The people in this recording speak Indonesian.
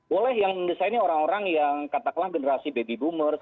boleh yang desainnya orang orang yang kata kata generasi baby boomers